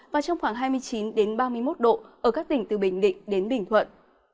và trong khoảng hai mươi chín ba mươi một độ ở các tỉnh từ bình định đến bình thuận